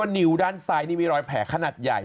นิ้วด้านซ้ายนี่มีรอยแผลขนาดใหญ่